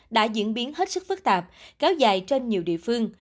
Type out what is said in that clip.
đã diễn biến hết sức phức tạp kéo dài trên nhiều địa phương